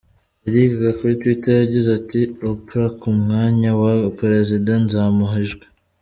Lady Gaga kuri Twitter yagize ati “Oprah ku mwanya wa Perezida? Nzamuha ijwi”.